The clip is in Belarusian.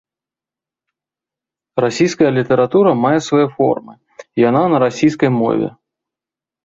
Расійская літаратура мае свае формы, яна на расійскай мове.